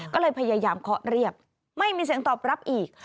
ก็เลยพยายามเคาะเรียกไม่มีเสียงตอบรับอีก